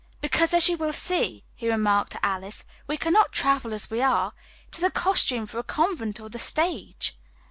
"Because, as you will see," he remarked to Alice, "we cannot travel as we are. It is a costume for a convent or the stage."